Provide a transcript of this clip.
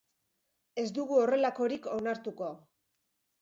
Ez dugu horrelakorik onartuko.